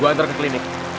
gue antar ke klinik